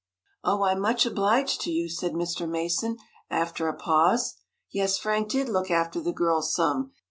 "Oh, I'm much obliged to you," said Mr. Mason, after a pause. "Yes, Frank did look after the girls some.